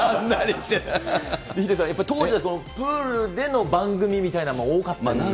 ヒデさん、当時だと、プールでの番組みたいなのが多かったんですかね。